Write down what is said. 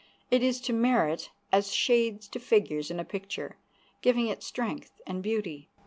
It is to merit as shades to figures in a picture, giving it strength and beauty.